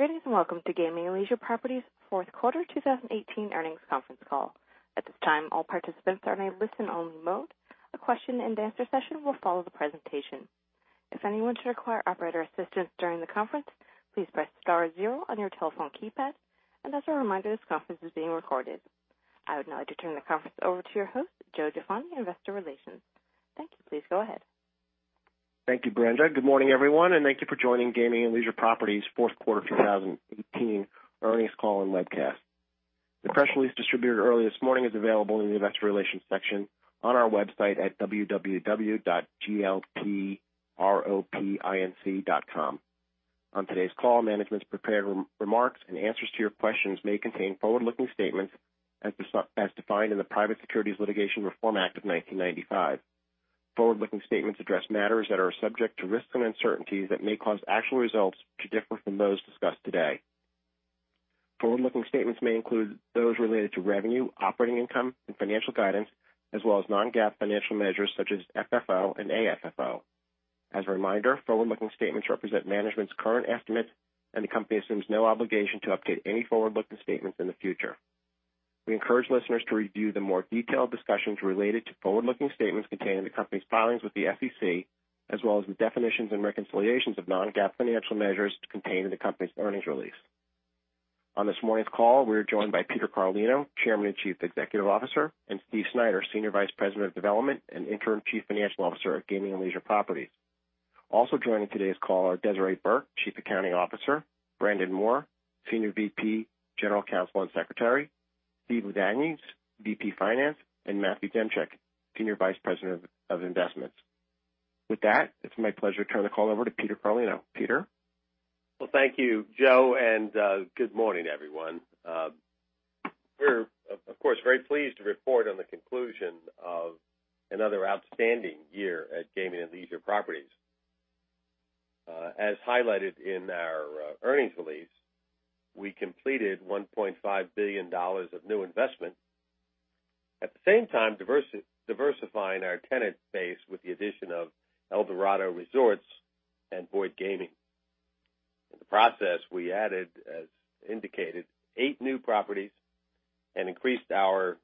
Greetings, welcome to Gaming and Leisure Properties' fourth quarter 2018 earnings conference call. At this time, all participants are in a listen-only mode. A question-and-answer session will follow the presentation. If anyone should require operator assistance during the conference, please press star zero on your telephone keypad. As a reminder, this conference is being recorded. I would now like to turn the conference over to your host, Joe Jaffoni, Investor Relations. Thank you. Please go ahead. Thank you, Brenda. Good morning, everyone, and thank you for joining Gaming and Leisure Properties fourth quarter 2018 earnings call and webcast. The press release distributed earlier this morning is available in the investor relations section on our website at www.glpropinc.com. On today's call, management's prepared remarks and answers to your questions may contain forward-looking statements as defined in the Private Securities Litigation Reform Act of 1995. Forward-looking statements address matters that are subject to risks and uncertainties that may cause actual results to differ from those discussed today. Forward-looking statements may include those related to revenue, operating income, and financial guidance, as well as non-GAAP financial measures such as FFO and AFFO. As a reminder, forward-looking statements represent management's current estimates, and the company assumes no obligation to update any forward-looking statements in the future. We encourage listeners to review the more detailed discussions related to forward-looking statements contained in the company's filings with the SEC, as well as the definitions and reconciliations of non-GAAP financial measures contained in the company's earnings release. On this morning's call, we are joined by Peter Carlino, Chairman and Chief Executive Officer, and Steve Snyder, Senior Vice President of Development and Interim Chief Financial Officer at Gaming and Leisure Properties. Also joining today's call are Desiree Burke, Chief Accounting Officer, Brandon Moore, Senior VP, General Counsel, and Secretary, Steven Ladany, VP Finance, and Matthew Demchyk, Senior Vice President of Investments. With that, it's my pleasure to turn the call over to Peter Carlino. Peter? Well, thank you, Joe, good morning, everyone. We're, of course, very pleased to report on the conclusion of another outstanding year at Gaming and Leisure Properties. As highlighted in our earnings release, we completed $1.5 billion of new investment. At the same time, diversifying our tenant base with the addition of Eldorado Resorts and Boyd Gaming. In the process, we added, as indicated, eight new properties and increased our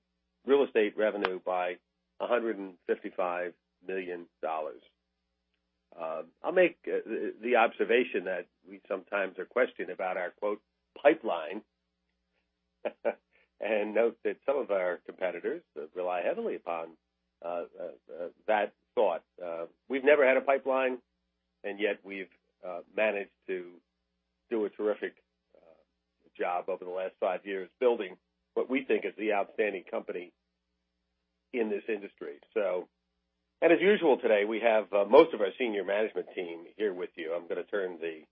real estate revenue by $155 million. I'll make the observation that we sometimes are questioned about our, quote, "pipeline," and note that some of our competitors rely heavily upon that thought. We've never had a pipeline, and yet we've managed to do a terrific job over the last five years building what we think is the outstanding company in this industry. As usual today, we have most of our senior management team here with you. I'm going to turn the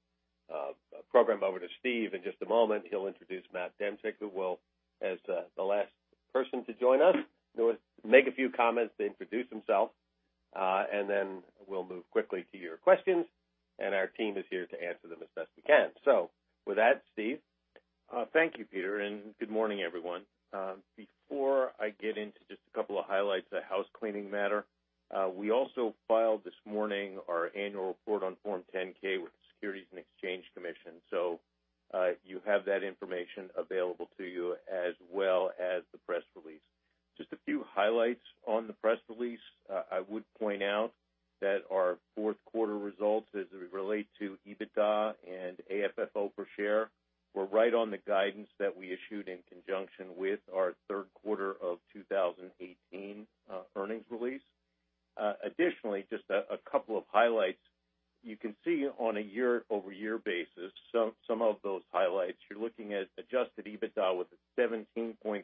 program over to Steve in just a moment. He'll introduce Matthew Demchyk, who will, as the last person to join us, make a few comments to introduce himself. Then we'll move quickly to your questions, and our team is here to answer them as best we can. With that, Steve? Thank you, Peter, good morning, everyone. Before I get into just a couple of highlights, a housecleaning matter. We also filed this morning our annual report on Form 10-K with the Securities and Exchange Commission. You have that information available to you, as well as the press release. Just a few highlights on the press release. I would point out that our fourth quarter results as they relate to EBITDA and AFFO per share were right on the guidance that we issued in conjunction with our third quarter of 2018 earnings release. Additionally, just a couple of highlights. You can see on a year-over-year basis some of those highlights. You're looking at adjusted EBITDA with a 17.3%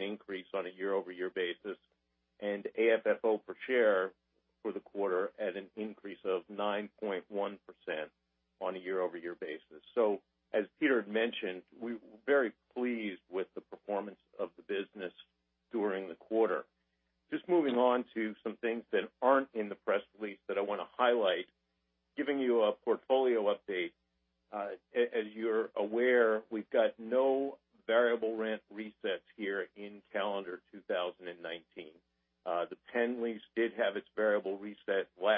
increase on a year-over-year basis, and AFFO per share for the quarter at an increase of 9.1% on a year-over-year basis. As Peter had mentioned, we're very pleased with the performance of the business during the quarter. Just moving on to some things that aren't in the press release that I want to highlight, giving you a portfolio update. As you're aware, we've got no variable rent resets here in calendar 2019. The PENN lease did have its variable reset last year,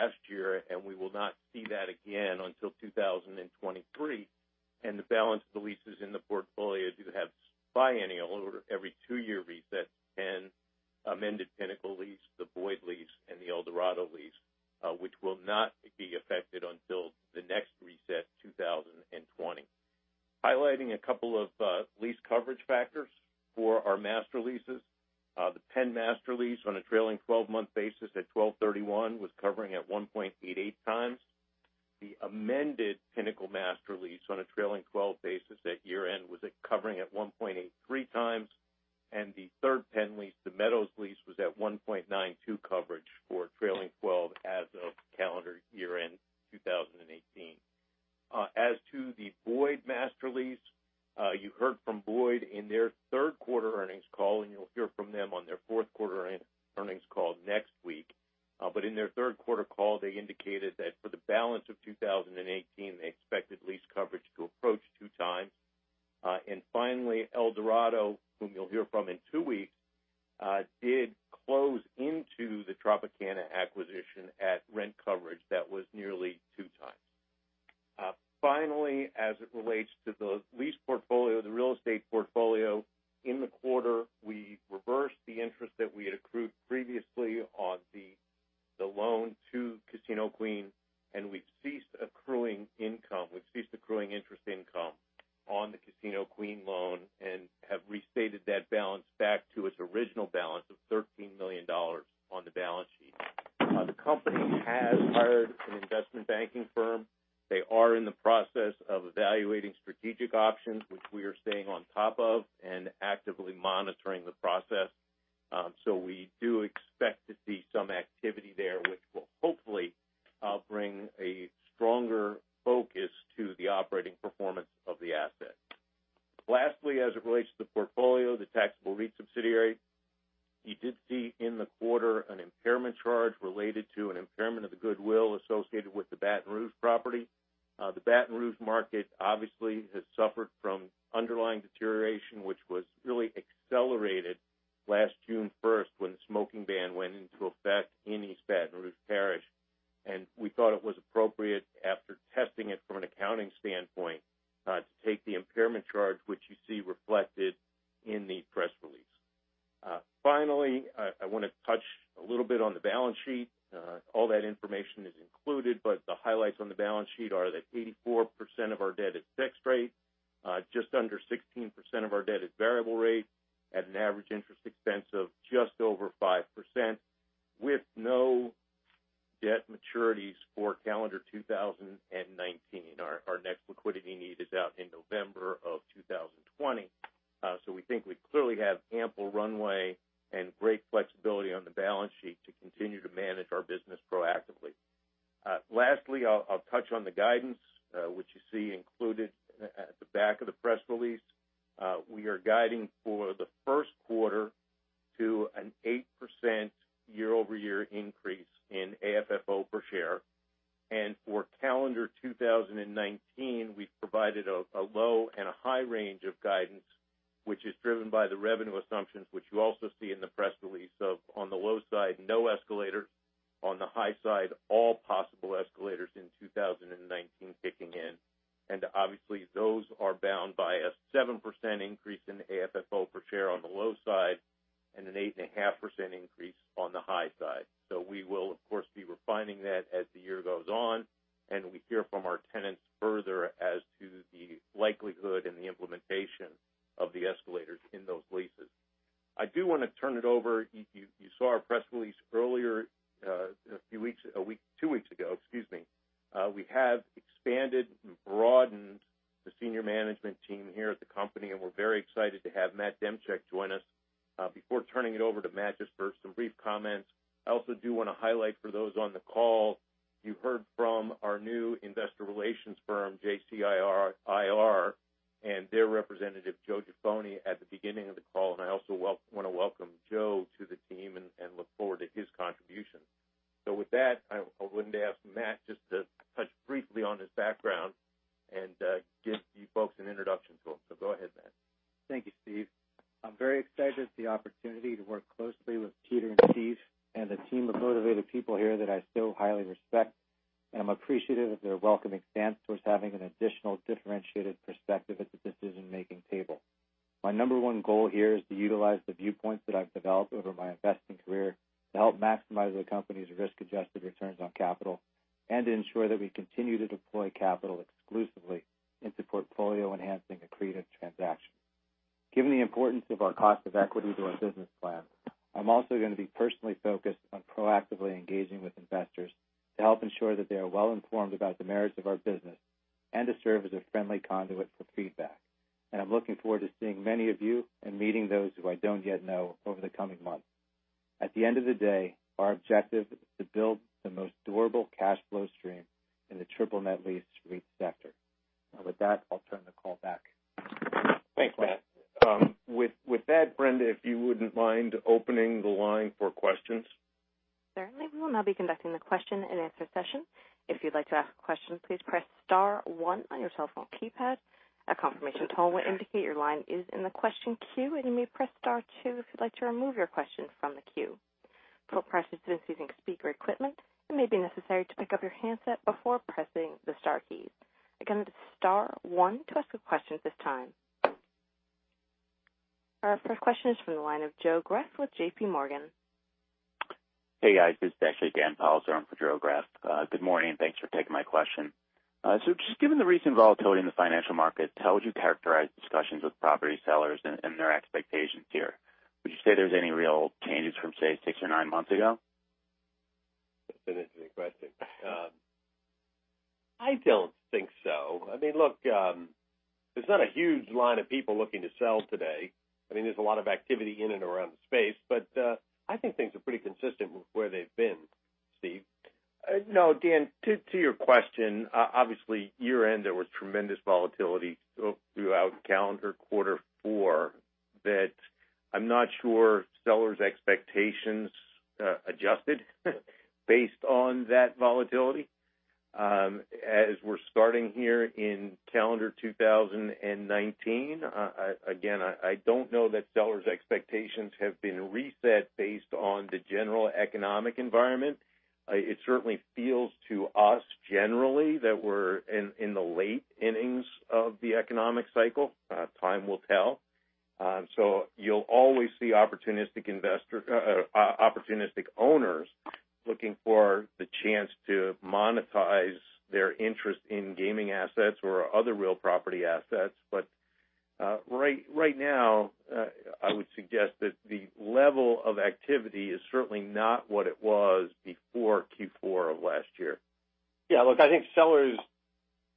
on the balance sheet. The company has hired an investment banking firm. They are in the process of evaluating strategic options, which we are staying on top of and actively monitoring the process. We do expect to see some activity there, which will hopefully bring a stronger focus to the operating performance of the asset. Lastly, as it relates to the portfolio, the taxable REIT subsidiary, you did see in the quarter an impairment charge related to an impairment of the goodwill associated with the Baton Rouge property. The Baton Rouge market obviously has suffered from underlying deterioration, which was really accelerated last June 1st when the smoking ban went into effect in East Baton Rouge Parish. We thought it was appropriate, after testing it from an accounting standpoint, to take the impairment charge, which you see reflected in the press release. Finally, I want to touch a little bit on the balance sheet. All that information is included, but the highlights on the balance sheet are that 84% of our debt is fixed rate. Just under 16% of our debt is variable rate at an average interest expense of just over 5% with no debt maturities for calendar 2019. Our next liquidity need is out in November of 2020. We think we clearly have ample runway and great flexibility on the balance sheet to continue to manage our business proactively. Lastly, I'll touch on the guidance, which you see included at the back of the press release. We are guiding for the first quarter to an 8% year-over-year increase in AFFO per share. For calendar 2019, we've provided a low and a high range of guidance, which is driven by the revenue assumptions, which you also see in the press release of, on the low side, no exclusively into portfolio-enhancing accretive transactions. Given the importance of our cost of equity to our business plan, I'm also going to be personally focused on proactively engaging with investors to help ensure that they are well-informed about the merits of our business and to serve as a friendly conduit for feedback. I'm looking forward to seeing many of you and meeting those who I don't yet know over the coming months. At the end of the day, our objective is to build Just given the recent volatility in the financial market, how would you characterize discussions with property sellers and their expectations here? Would you say there's any real changes from, say, six or nine months ago? That's an interesting question. I don't think so. I mean, look, there's not a huge line of people looking to sell today. I mean, there's a lot of activity in and around the space, but I think things are pretty consistent with where they've been, Steve. No, Dan, to your question, obviously, year-end, there was tremendous volatility throughout calendar quarter four that I'm not sure sellers' expectations adjusted based on that volatility. As we're starting here in calendar 2019, again, I don't know that sellers' expectations have been reset based on the general economic environment. It certainly feels to us generally that we're in the late innings of the economic cycle. Time will tell. You'll always see opportunistic owners looking for the chance to monetize their interest in gaming assets or other real property assets. Right now, I would suggest that the level of activity is certainly not what it was before Q4 of last year. Yeah, look, I think sellers'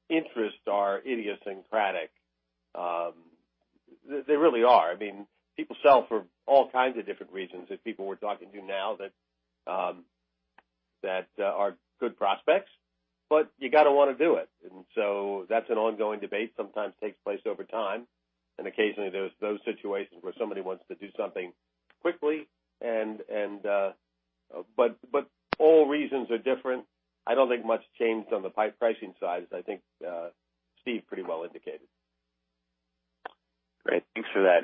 interests are idiosyncratic. They really are. People sell for all kinds of different reasons. There's people we're talking to now that are good prospects, but you got to want to do it. That's an ongoing debate, sometimes takes place over time, and occasionally, there's those situations where somebody wants to do something quickly, but all reasons are different. I don't think much changed on the pricing side, as I think Steve pretty well indicated. Great. Thanks for that.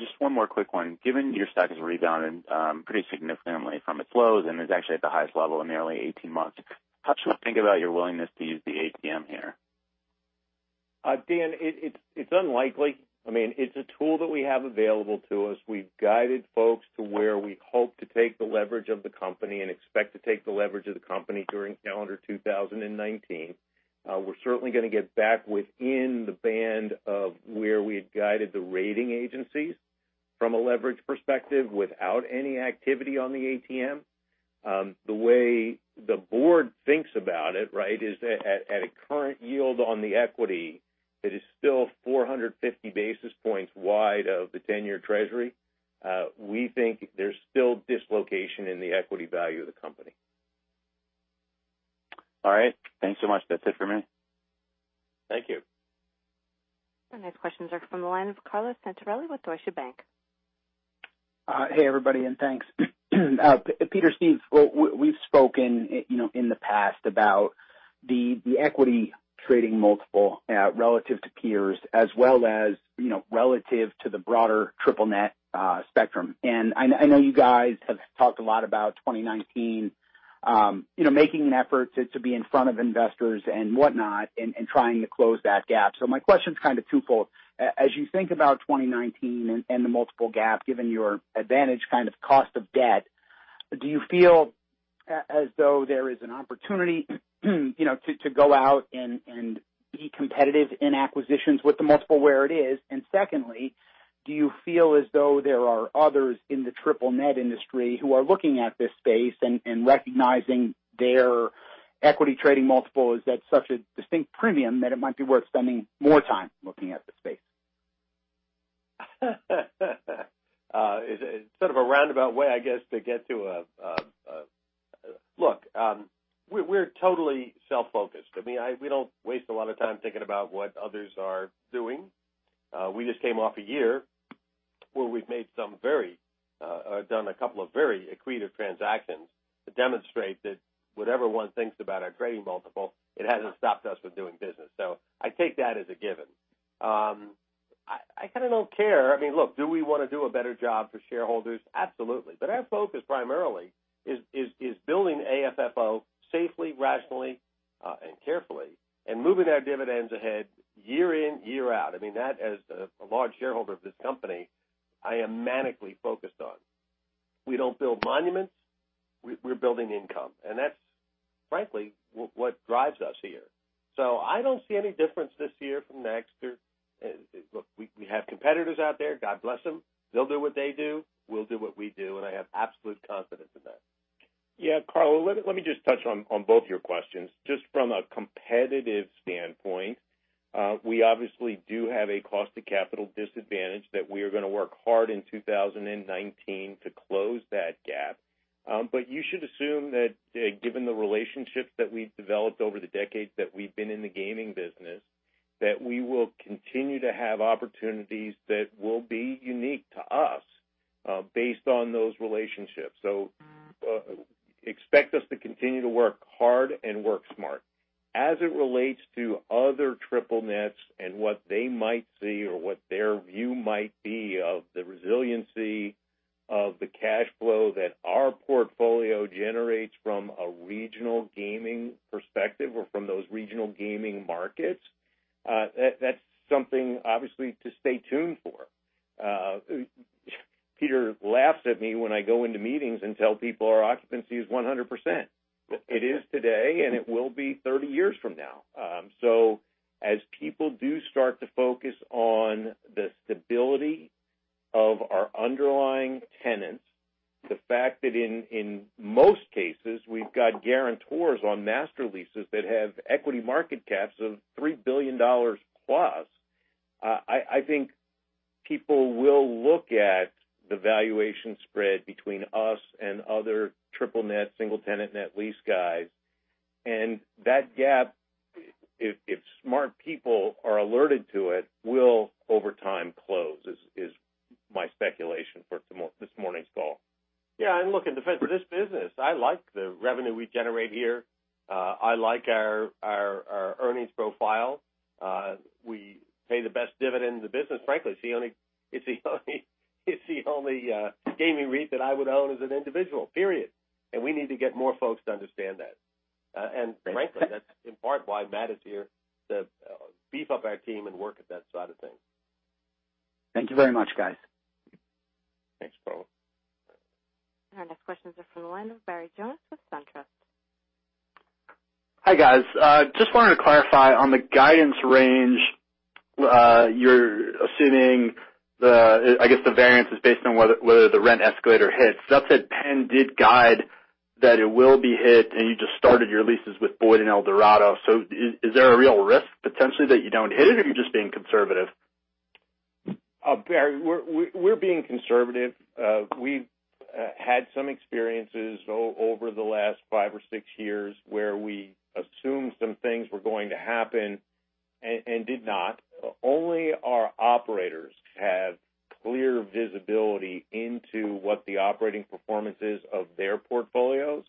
Just one more quick one. Given your stock has rebounded pretty significantly from its lows and is actually at the highest level in nearly 18 months, how should we think about your willingness to use the ATM here? Dan, it's unlikely. It's a tool that we have available to us. We've guided folks to where we hope to take the leverage of the company and expect to take the leverage of the company during calendar 2019. We're certainly going to get back within the band of where we had guided the rating agencies from a leverage perspective without any activity on the ATM. The way the board thinks about it is at a current yield on the equity that is still 450 basis points wide of the 10-year treasury, we think there's still dislocation in the equity value of the company. All right. Thanks so much. That's it for me. Thank you. Our next questions are from the line of Carlo Santarelli with Deutsche Bank. Hey, everybody, thanks. Peter, Steve, we've spoken in the past about the equity trading multiple relative to peers as well as relative to the broader triple net spectrum. I know you guys have talked a lot about 2019, making an effort to be in front of investors and whatnot and trying to close that gap. My question's kind of twofold. As you think about 2019 and the multiple gap, given your advantage kind of cost of debt, do you feel as though there is an opportunity to go out and be competitive in acquisitions with the multiple where it is? Secondly, do you feel as though there are others in the triple net industry who are looking at this space and recognizing their equity trading multiple is at such a distinct premium that it might be worth spending more time looking at the space? It's sort of a roundabout way, I guess, to get to. Look, we're totally self-focused. We don't waste a lot of time thinking about what others are doing. We just came off a year where we've done a couple of very accretive transactions to demonstrate that whatever one thinks about our trading multiple, it hasn't stopped us from doing business. I take that as a given. I kind of don't care. Do we want to do a better job for shareholders? Absolutely. Our focus primarily is building AFFO safely, rationally, and carefully and moving our dividends ahead year in, year out. That as a large shareholder of this company, I am manically focused on. We don't build monuments. We're building income. That's frankly, what drives us here. I don't see any difference this year from next year. Look, we have competitors out there. God bless them. They'll do what they do, we'll do what we do, I have absolute confidence in that. Yeah. Carlo, let me just touch on both your questions. Just from a competitive standpoint, we obviously do have a cost of capital disadvantage that we are going to work hard in 2019 to close that gap. You should assume that given the relationships that we've developed over the decades that we've been in the gaming business, that we will continue to have opportunities that will be unique to us based on those relationships. Expect us to continue to work hard and work smart. As it relates to other triple-nets and what they might see or what their view might be of the resiliency of the cash flow that our portfolio generates from a regional gaming perspective or from those regional gaming markets, that's something obviously to stay tuned for. Peter laughs at me when I go into meetings and tell people our occupancy is 100%. It is today, and it will be 30 years from now. As people do start to focus on the stability of our underlying tenants, the fact that in most cases, we've got guarantors on master leases that have equity market caps of $3 billion plus, I think people will look at the valuation spread between us and other triple-net, single tenant net-lease guys, that gapIf smart people are alerted to it, will over time close is my speculation for this morning's call. Yeah, look, and defend for this business. I like the revenue we generate here. I like our earnings profile. We pay the best dividend in the business. Frankly, it's the only gaming REIT that I would own as an individual, period. We need to get more folks to understand that. Frankly, that's in part why Matt is here, to beef up our team and work at that side of things. Thank you very much, guys. Thanks, Paul. Our next questions are from the line of Barry Jonas with SunTrust. Hi, guys. Just wanted to clarify on the guidance range, you're assuming the, I guess, the variance is based on whether the rent escalator hits. That said, PENN did guide that it will be hit, and you just started your leases with Boyd Gaming and Eldorado Resorts. Is there a real risk potentially that you don't hit it, or you're just being conservative? Barry, we're being conservative. We've had some experiences over the last five or six years where we assumed some things were going to happen and did not. Only our operators have clear visibility into what the operating performance is of their portfolios.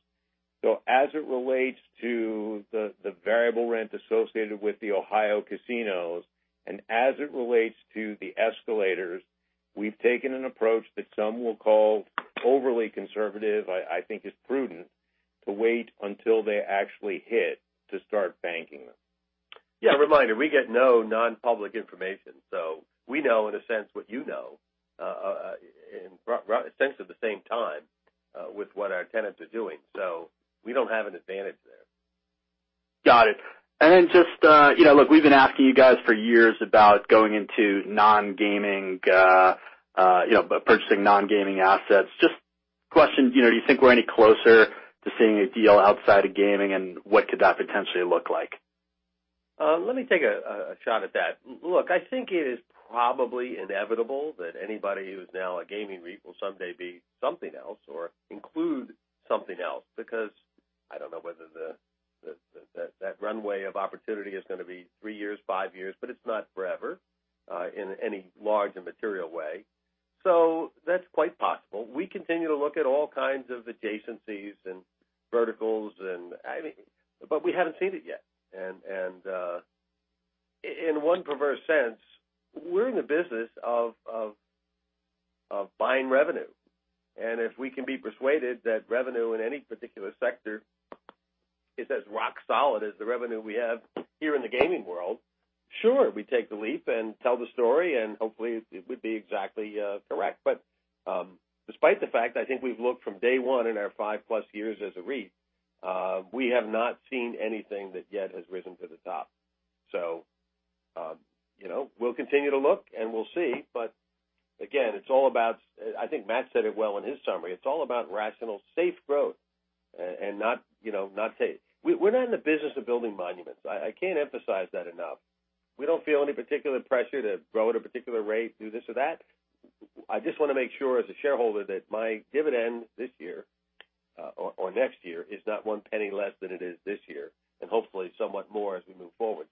As it relates to the variable rent associated with the Ohio casinos, and as it relates to the escalators, we've taken an approach that some will call overly conservative, I think is prudent, to wait until they actually hit to start banking them. Yeah. A reminder, we get no non-public information. We know, in a sense, what you know, in sense at the same time, with what our tenants are doing, so we don't have an advantage there. Got it. Then just, look, we've been asking you guys for years about going into non-gaming, purchasing non-gaming assets. Just question, do you think we're any closer to seeing a deal outside of gaming, and what could that potentially look like? Let me take a shot at that. Look, I think it is probably inevitable that anybody who's now a gaming REIT will someday be something else or include something else, because I don't know whether that runway of opportunity is going to be three years, five years, but it's not forever, in any large and material way. That's quite possible. We continue to look at all kinds of adjacencies and verticals. We haven't seen it yet. In one perverse sense, we're in the business of buying revenue. And if we can be persuaded that revenue in any particular sector is as rock solid as the revenue we have here in the gaming world, sure, we take the leap and tell the story, and hopefully, it would be exactly correct. Despite the fact, I think we've looked from day one in our 5+ years as a REIT, we have not seen anything that yet has risen to the top. We'll continue to look, and we'll see. Again, it's all about, I think Matt said it well in his summary, it's all about rational, safe growth and not in the business of building monuments. I can't emphasize that enough. We don't feel any particular pressure to grow at a particular rate, do this or that. I just want to make sure as a shareholder that my dividend this year or next year is not $0.01 less than it is this year, and hopefully, somewhat more as we move forward.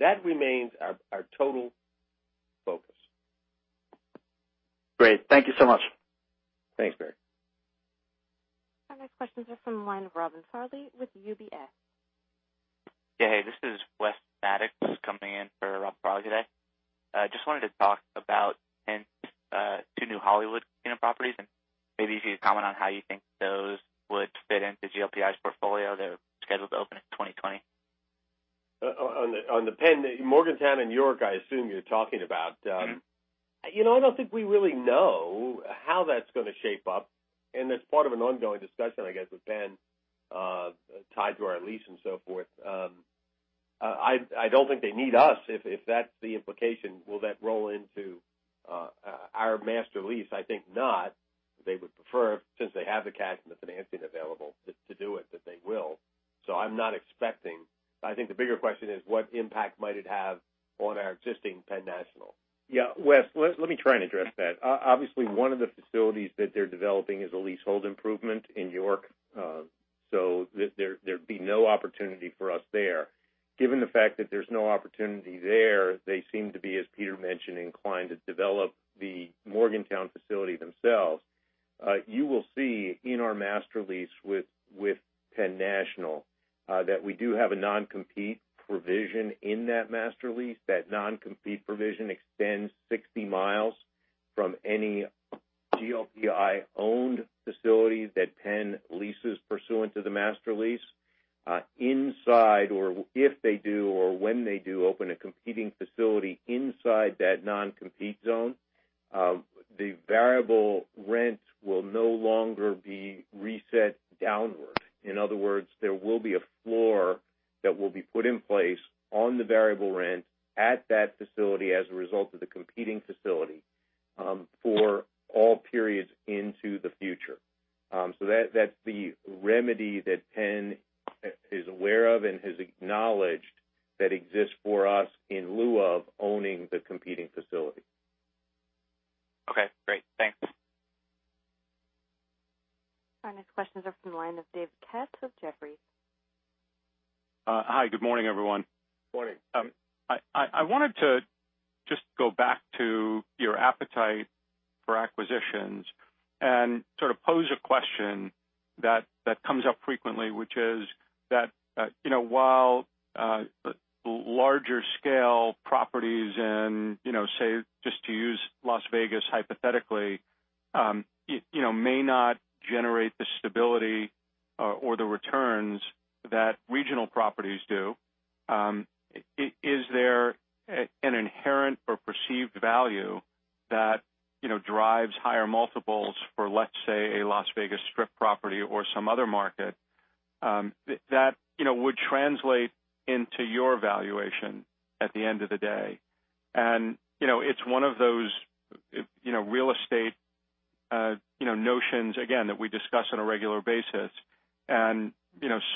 That remains our total focus. Great. Thank you so much. Thanks, Barry. Our next questions are from the line of Robin Farley with UBS. Yeah. Hey, this is Wes Mattox coming in for Robin Farley today. Just wanted to talk about Penn's two new Hollywood properties, and maybe if you could comment on how you think those would fit into GLPI's portfolio. They're scheduled to open in 2020. On the Penn, Morgantown and York, I assume you're talking about. I don't think we really know how that's going to shape up. That's part of an ongoing discussion, I guess, with Penn, tied to our lease and so forth. I don't think they need us, if that's the implication. Will that roll into our master lease? I think not. They would prefer, since they have the cash and the financing available to do it, that they will. I'm not expecting. I think the bigger question is: What impact might it have on our existing Penn National? Wes, let me try and address that. Obviously, one of the facilities that they're developing is a leasehold improvement in York. There'd be no opportunity for us there. Given the fact that there's no opportunity there, they seem to be, as Peter mentioned, inclined to develop the Morgantown facility themselves. You will see in our master lease with Penn National, that we do have a non-compete provision in that master lease. That non-compete provision extends 60 miles from any GLPI-owned facilities that Penn leases pursuant to the master lease. If they do or when they do open a competing facility inside that non-compete zone, the variable rent will no longer be reset downward. In other words, there will be a floor that will be put in place on the variable rent at that facility as a result of the competing facility, for all periods into the future. That's the remedy that Penn is aware of and has acknowledged that exists for us in lieu of owning the competing facility. Okay, great. Thanks. Our next questions are from the line of David Katz with Jefferies. Hi. Good morning, everyone. Morning. I wanted to just go back to your appetite for acquisitions and sort of pose a question that comes up frequently, which is that, while larger scale properties in, say, just to use Las Vegas hypothetically, may not generate the stability, or the returns that regional properties do. Is there an inherent or perceived value that drives higher multiples for, let's say, a Las Vegas Strip property or some other market, that would translate into your valuation at the end of the day? It's one of those real estate notions, again, that we discuss on a regular basis.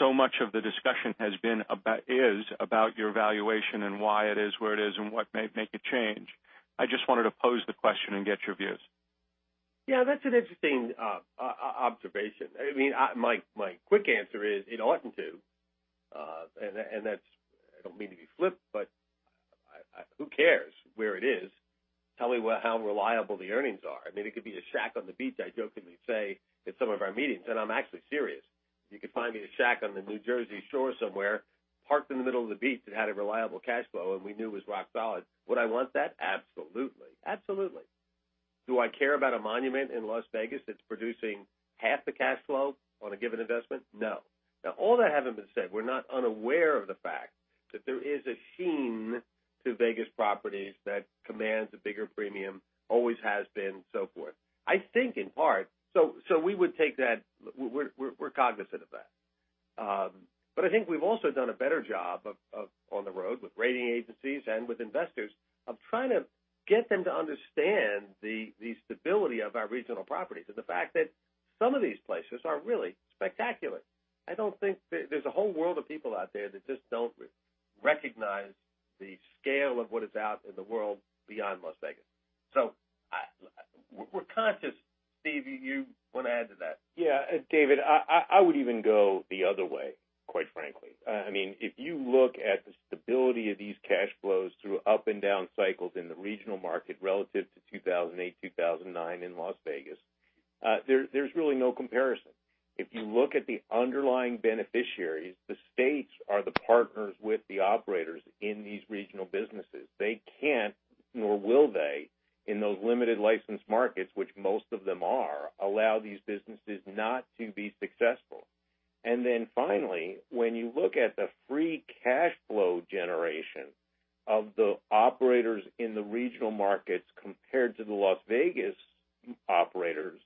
So much of the discussion is about your valuation and why it is where it is and what may make a change. I just wanted to pose the question and get your views. Yeah. That's an interesting observation. My quick answer is it oughtn't to, and I don't mean to be flip, but who cares where it is? Tell me how reliable the earnings are. It could be the shack on the beach, I jokingly say at some of our meetings, and I'm actually serious. You could find me a shack on the New Jersey shore somewhere, parked in the middle of the beach that had a reliable cash flow, and we knew it was rock solid. Would I want that? Absolutely. Do I care about a monument in Las Vegas that's producing half the cash flow on a given investment? No. All that having been said, we're not unaware of the fact that there is a sheen to Vegas properties that commands a bigger premium, always has been, so forth. I think in part we're cognizant of that. I think we've also done a better job of, on the road with rating agencies and with investors, of trying to get them to understand the stability of our regional properties and the fact that some of these places are really spectacular. There's a whole world of people out there that just don't recognize the scale of what is out in the world beyond Las Vegas. We're conscious. Steve, you want to add to that? Yeah. David, I would even go the other way, quite frankly. If you look at the stability of these cash flows through up and down cycles in the regional market relative to 2008, 2009 in Las Vegas, there's really no comparison. If you look at the underlying beneficiaries, the states are the partners with the operators in these regional businesses. They can't, nor will they, in those limited license markets, which most of them are, allow these businesses not to be successful. Finally, when you look at the free cash flow generation of the operators in the regional markets compared to the Las Vegas operators,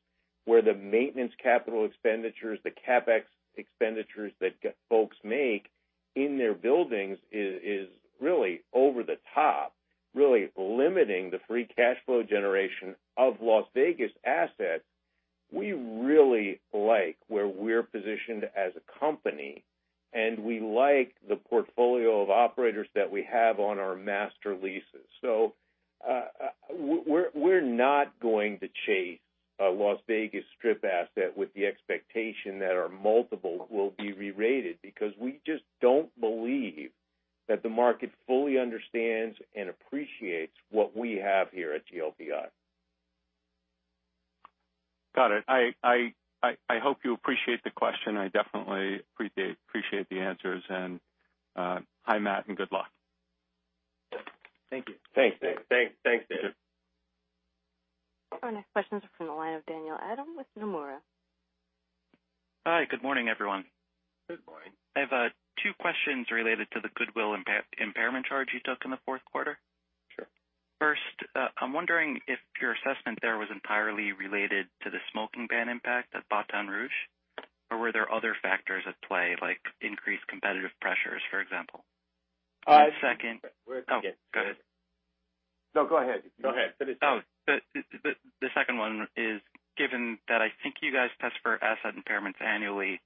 where the maintenance capital expenditures, the CapEx expenditures that folks make in their buildings is really over the top, really limiting the free cash flow generation of Las Vegas assets. We really like where we're positioned as a company, and we like the portfolio of operators that we have on our master leases. We're not going to chase a Las Vegas Strip asset with the expectation that our multiple will be re-rated because we just don't believe that the market fully understands and appreciates what we have here at GLPI. Got it. I hope you appreciate the question. I definitely appreciate the answers and, hi, Matt, and good luck. Thank you. Thanks, David. Our next questions are from the line of Daniel Adam with Nomura. Hi, good morning, everyone. Good morning. I have two questions related to the goodwill impairment charge you took in the fourth quarter. Sure. First, I'm wondering if your assessment there was entirely related to the smoking ban impact at Baton Rouge, or were there other factors at play, like increased competitive pressures, for example? I- Second. Where to begin? Oh, go ahead. No, go ahead. Finish. Oh, the second one is, given that I think you guys test for asset impairments annually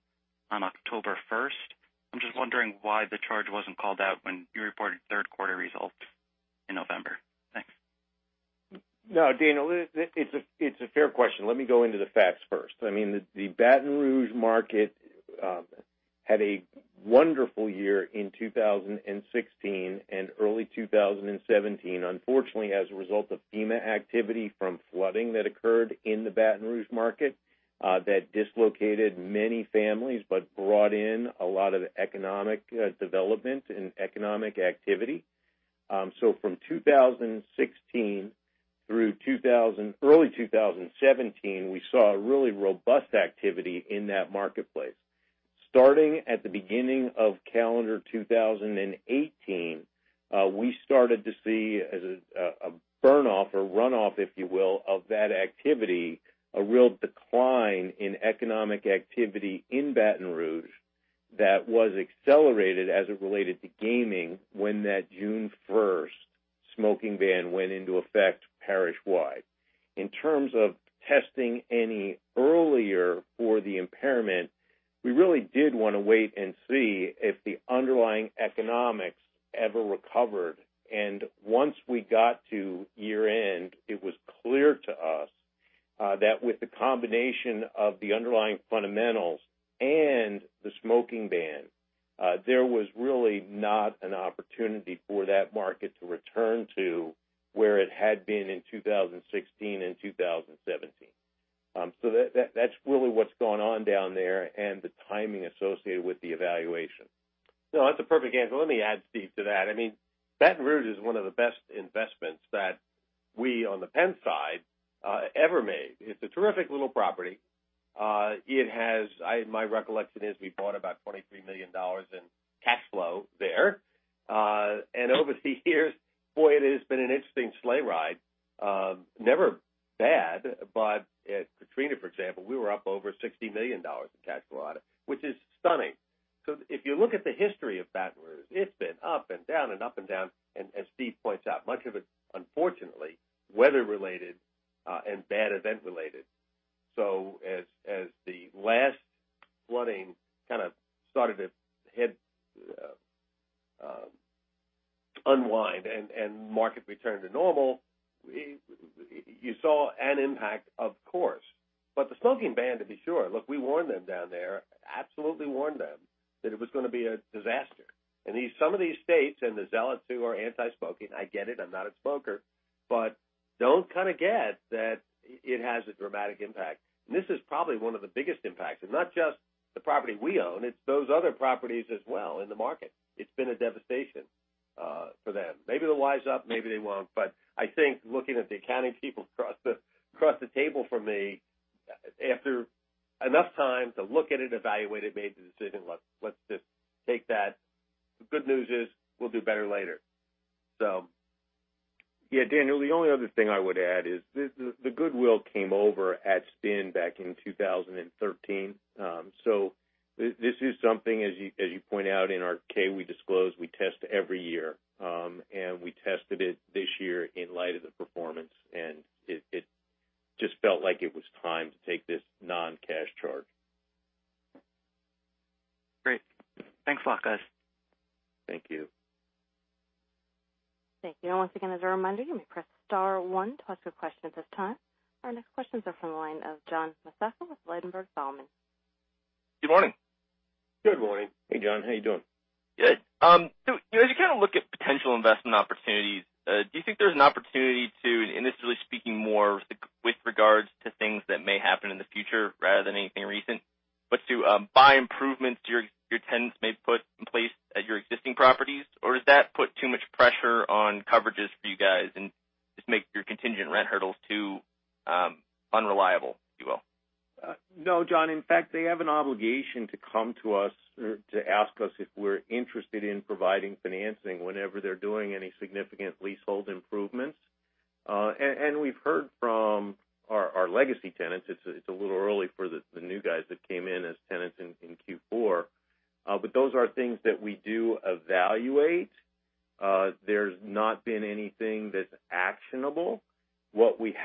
on October 1st. I'm just wondering why the charge wasn't called out when you reported third quarter results in November. Thanks. No, Daniel, it's a fair question. Let me go into the facts first. The Baton Rouge market had a wonderful year in 2016 and early 2017. Unfortunately, as a result of FEMA activity from flooding that occurred in the Baton Rouge market, that dislocated many families, but brought in a lot of economic development and economic activity. From 2016 through early 2017, we saw a really robust activity in that marketplace. Starting at the beginning of calendar 2018, we started to see a burn-off or run-off, if you will, of that activity, a real decline in economic activity in Baton Rouge that was accelerated as it related to gaming when that June 1st smoking ban went into effect parish-wide. In terms of testing any earlier for the impairment, we really did want to wait and see if the underlying economics ever recovered. Once we got to year-end, it was clear to us that with the combination of the underlying fundamentals and the smoking ban, there was really not an opportunity for that market to return to where it had been in 2016 and 2017. That's really what's going on down there and the timing associated with the evaluation. No, that's a perfect answer. Let me add, Steve, to that. Baton Rouge is one of the best investments that we, on the Penn side, ever made. It's a terrific little property. My recollection is we bought about $23 million in cash flow there. Over the years, boy, it has been an interesting sleigh ride. Never bad, but Katrina, for example, we were up over $60 million in cash flow on it, which is stunning. If you look at the history of Baton Rouge, it's been up and down and up and down, and as Steve points out, much of it, unfortunately, weather-related, and bad event-related. As the last flooding kind of started to unwind and market returned to normal, you saw an impact, of course. The smoking ban, to be sure, look, we warned them down there, absolutely warned them that it was going to be a disaster. Some of these states and the zealots who are anti-smoking, I get it, I'm not a smoker, but don't kind of get that it has a dramatic impact. This is probably one of the biggest impacts. Not just the property we own, it's those other properties as well in the market. It's been a devastation for them. Maybe they'll wise up, maybe they won't. I think looking at the accounting people across the table from me, after enough time to look at it, evaluate it, made the decision, let's just take that. The good news is we'll do better later. Yeah, Daniel, the only other thing I would add is the goodwill came over at spin back in 2013. This is something, as you point out in our K, we disclose, we test every year. We tested it this year in light of the performance, and it just felt like it was time to take this non-cash charge. Great. Thanks a lot, guys. Thank you. Thank you. Once again, as a reminder, you may press star one to ask a question at this time. Our next questions are from the line of John Massocca with Ladenburg Thalmann. Good morning. Good morning. Hey, John. How you doing? Good. As you kind of look at potential investment opportunities, do you think there's an opportunity to, and this is really speaking more with regards to things that may happen in the future rather than anything recent, but to buy improvements your tenants may put in place at your existing properties? Does that put too much pressure on coverages for you guys and just make your contingent rent hurdles too unreliable, if you will? No, John. In fact, they have an obligation to come to us or to ask us if we're interested in providing financing whenever they're doing any significant leasehold improvements. We've heard from our legacy tenants, it's a little early for the new guys that came in as tenants in Q4. Those are things that we do evaluate. There's not been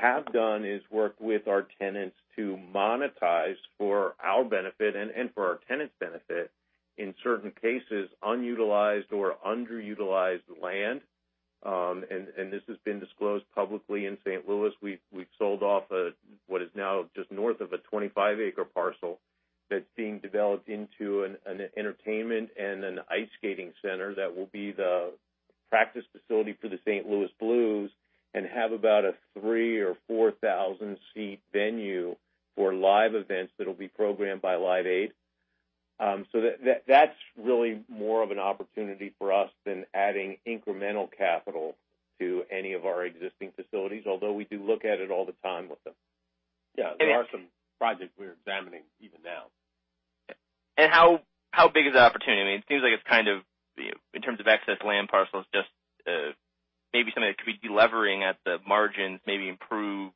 anything that's actionable. What we have done is work with our tenants to monetize for our benefit and for our tenants' benefit, in certain cases, unutilized or underutilized land. This has been disclosed publicly in St. Louis. We've sold off what is now just north of a 25-acre parcel that's being developed into an entertainment and an ice skating center that will be the practice facility for the St. Louis Blues and have about a 3,000 or 4,000-seat venue for live events that'll be programmed by Live Nation. That's really more of an opportunity for us than adding incremental capital to any of our existing facilities, although we do look at it all the time with them. Yeah, there are some projects we're examining even now. How big is the opportunity? I mean, it seems like it's kind of, in terms of excess land parcels, just maybe something that could be levering at the margins, maybe improve,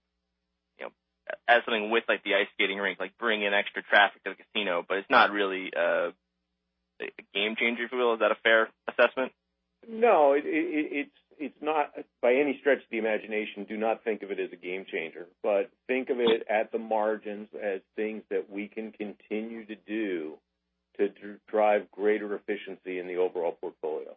as something with like the ice skating rink, like bring in extra traffic to the casino, but it's not really a game changer, if you will. Is that a fair assessment? No, it's not by any stretch of the imagination, do not think of it as a game changer. Think of it at the margins as things that we can continue to do to drive greater efficiency in the overall portfolio.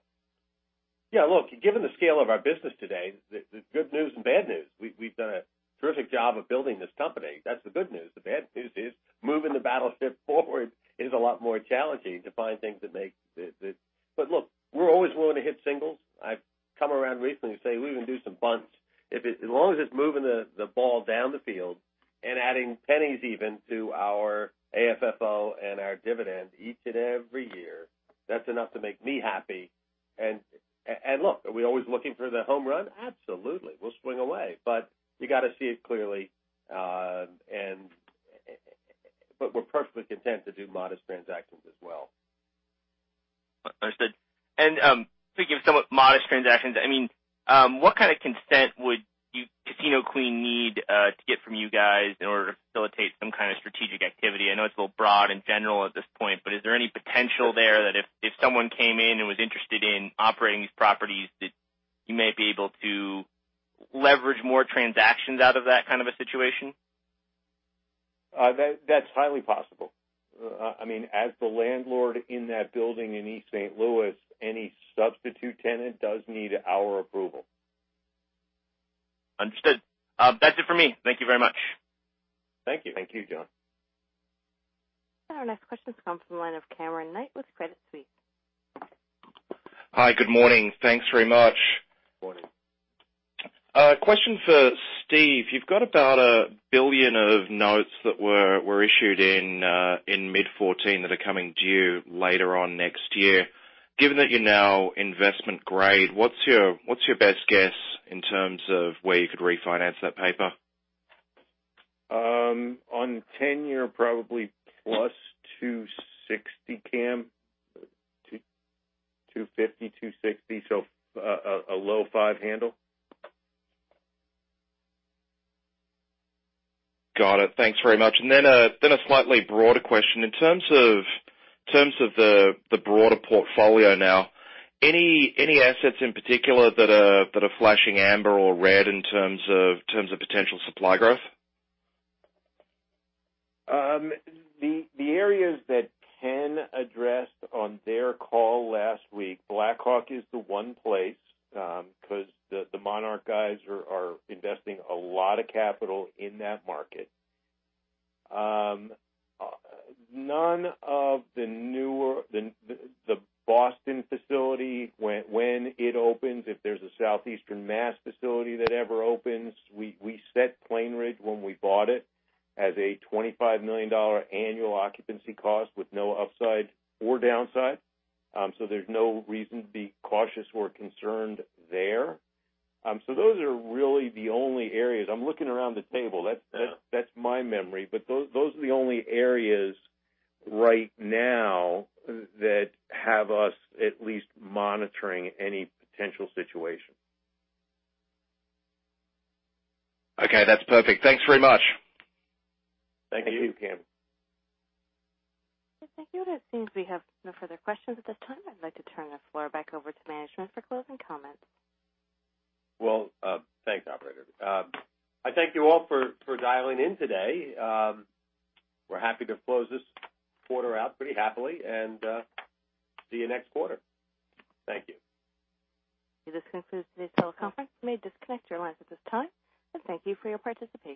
me happy. look, are we always looking for the home run? Absolutely. We'll swing away. You got to see it clearly. We're perfectly content to do modest transactions as well. Understood. speaking of somewhat modest transactions, what kind of consent would Casino Queen need to get from you guys in order to facilitate some kind of strategic activity? I know it's a little broad and general at this point, but is there any potential there that if someone came in and was interested in operating these properties, that you may be able to leverage more transactions out of that kind of a situation? That's highly possible. As the landlord in that building in East St. Louis, any substitute tenant does need our approval. Understood. That's it for me. Thank you very much. Thank you. Thank you, John. Our next question comes from the line of Cameron McKnight with Credit Suisse. Hi. Good morning. Thanks very much. Morning. Question for Steve. You've got about $1 billion of notes that were issued in mid-2014 that are coming due later on next year. Given that you're now investment grade, what's your best guess in terms of where you could refinance that paper? On 10-year, probably +260, Cam. 250, 260, so a low five handle. Got it. Thanks very much. Then a slightly broader question. In terms of the broader portfolio now, any assets in particular that are flashing amber or red in terms of potential supply growth? The areas that Ken addressed on their call last week, Blackhawk is the one place, because the Monarch guys are investing a lot of capital in that market. None of the newer The Boston facility, when it opens, if there's a Southeastern Mass facility that ever opens, we set Plainridge when we bought it as a $25 million annual occupancy cost with no upside or downside. There's no reason to be cautious or concerned there. Those are really the only areas. I'm looking around the table. That's my memory. Those are the only areas right now that have us at least monitoring any potential situation. Okay, that's perfect. Thanks very much. Thank you, Cameron. Thank you. It seems we have no further questions at this time. I'd like to turn the floor back over to management for closing comments. Well, thanks, operator. I thank you all for dialing in today. We're happy to close this quarter out pretty happily, and see you next quarter. Thank you. This concludes today's teleconference. You may disconnect your lines at this time, and thank you for your participation.